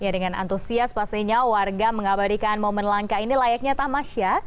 dengan antusias pastinya warga mengabadikan momen langka ini layaknya tamas ya